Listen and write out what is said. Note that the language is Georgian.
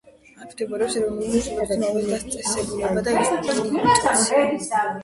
აქ მდებარეობს ეროვნული მნიშვნელობის მრავალი დაწესებულება და ინსტიტუცია.